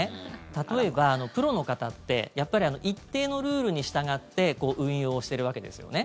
例えば、プロの方ってやっぱり一定のルールに従って運用してるわけですよね。